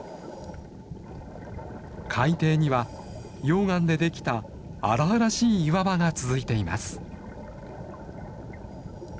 海底には溶岩でできた荒々しい岩場が続いています。